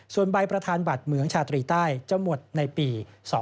ส่วนใบประธานบัตรเหมืองชาตรีใต้จะหมดในปี๒๕๖